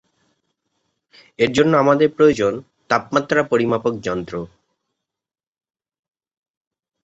এর জন্য আমাদের প্রয়োজন তাপমাত্রা পরিমাপক যন্ত্র।